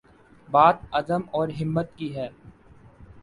بات عزم اور ہمت کی ہے۔